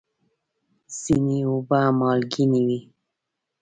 ځینې اوبه مالګینې وي.